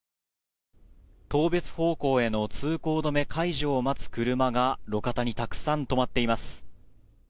当別方向への通行止め解除を待つ車が路肩にたくさん止まっています。